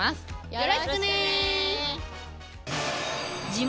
よろしくね！